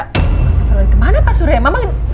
masa kalau ada di mana pak surya mama